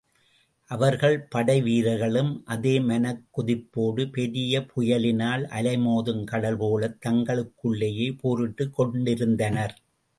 அவர்கள் படை வீரர்களும் அதே மனக்கொதிப்போடு, பெரிய புயலினால் அலைமோதும் கடல் போலத் தங்களுக்குள்ளேயே போரிட்டுக் கொண்டிருந்தனர்.